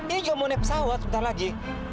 ini juga mau naik pesawat sebentar lagi